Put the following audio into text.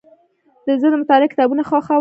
زه د مطالعې کتابونه خوښوم.